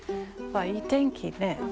わあいい天気ね。